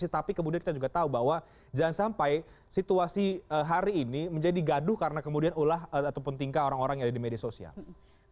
tapi kemudian kita juga tahu bahwa jangan sampai situasi hari ini menjadi gaduh karena kemudian ulah ataupun tingkah orang orang yang ada di media sosial